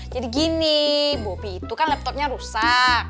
jadi gini bobby itu kan laptopnya rusak